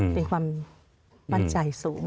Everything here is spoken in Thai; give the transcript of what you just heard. เป็นความมั่นใจสูง